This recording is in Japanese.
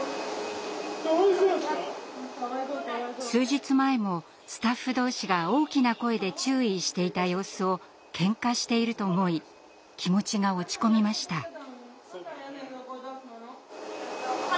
数日前もスタッフ同士が大きな声で注意していた様子をケンカしていると思い気持ちが落ち込みました。